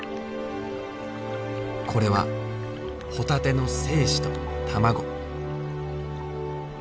これはホタテの精子と卵。